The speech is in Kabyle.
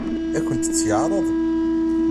Ad akent-tt-yeɛṛeḍ?